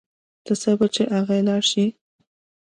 ته صبر چې اغئ لاړ شي.